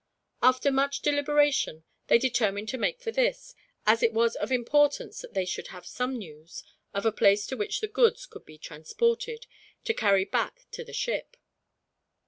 After much deliberation, they determined to make for this; as it was of importance that they should have some news, of a place to which the goods could be transported, to carry back to the ship.